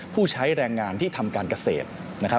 ผู้ใช้แรงงานที่ทำการเกษตร